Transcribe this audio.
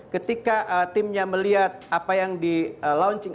ketika timnya melihat apa yang di launching